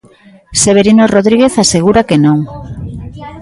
Severino Rodríguez asegura que non.